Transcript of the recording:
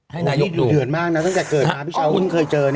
นายกดุเดือดมากนะตั้งแต่เกิดมาพี่เช้าเพิ่งเคยเจอ